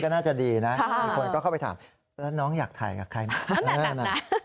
ก็น่าจะได้ฟิล์มดีเลยเหมือนอยู่ต่างประเทศ